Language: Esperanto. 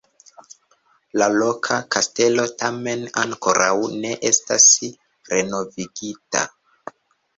La loka kastelo tamen ankoraŭ ne estas renovigita.